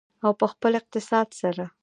او په خپل اقتصاد سره.